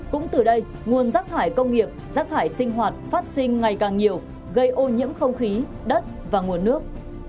cũng từ đây nguồn rác thải công nghiệp rác thải sinh hoạt phát sinh ngày càng nhiều gây ô nhiễm không khí đất và nguồn nước